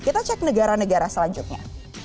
kita cek negara negara selanjutnya